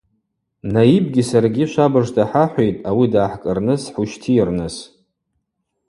Наибгьи саргьи швабыжта хӏахӏвитӏ, ауи дгӏахӏкӏырныс хӏыущтийырныс.